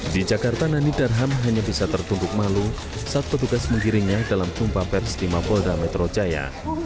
di jakarta nani darham hanya bisa tertunduk malu saat petugas menggiringnya dalam jumpa pers di mapolda metro jaya